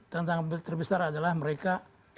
tantangan terbesar adalah mereka